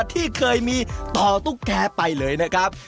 ที่เคยมีต่อตุ๊กแกไปเลยนะครับ